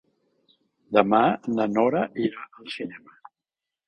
Demà na Nora irà al cinema.